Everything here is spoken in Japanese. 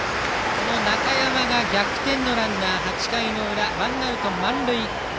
この中山が逆転のランナー８回の裏、ワンアウト満塁